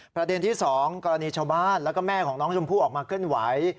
ประเด็นที่๒กรณีชาวบ้านแล้วก็แม่ของน้องชมพู่ออกมาเคลื่อนไหว